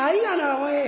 おい。